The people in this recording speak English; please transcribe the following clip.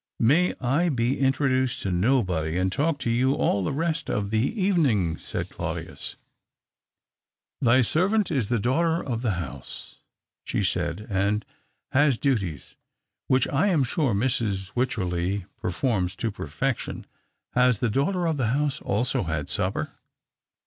" May I be introduced to nobody and talk to you all the rest of the evening ?" said Claudius. THE OCTAVE OF CLAUDIUS. 191 " Thy servant is the daughter of the house," she said, " and has duties " "Which I am sure Mrs. Wycherley per forms to perfection. Has the daughter of the house also had supper